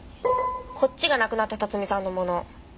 こっちが亡くなった辰巳さんのもの。